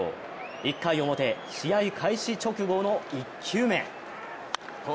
１回表、試合開始直後の１球目。